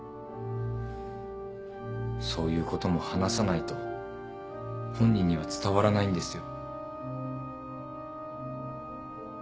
そういうことも話さないと本人には伝わらないんですよ。